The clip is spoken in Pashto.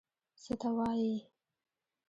ته څه وایې!؟